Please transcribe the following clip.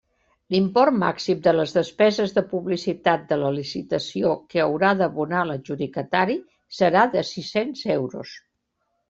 L'import màxim de les despeses de publicitat de la licitació que haurà d'abonar l'adjudicatari serà de sis-cents euros.